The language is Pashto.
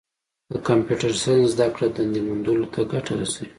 د کمپیوټر ساینس زدهکړه دنده موندلو ته ګټه رسوي.